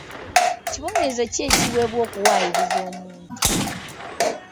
Kibonerezo ki ekiweebwa okuwaayiriza omuntu?